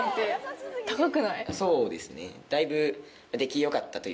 そうですね。